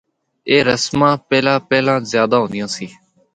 اے رسماں پہلا پہلا زیادہ ہوندیاں سی۔